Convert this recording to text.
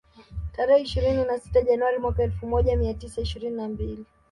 Tarehe ishirini na sita Januari mwaka elfu moja mia tisa ishirini na mbili